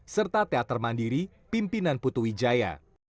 serta teater mandiri pimpinan putu wijaya